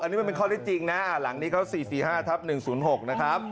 อันนี้มันเป็นข้อได้จริงนะหลังนี้เขา๔๔๕ทับ๑๐๖นะครับ